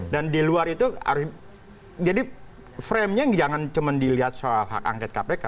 dan di luar itu jadi framenya jangan cuman dilihat soal hak angket kpk